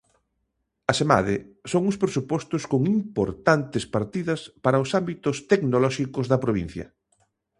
Asemade, son uns presupostos con importantes partidas para os ámbitos tecnolóxicos da provincia.